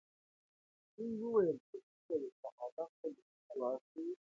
دوی وویل چې موږ به شاه عالم ته لیکونه واستوو.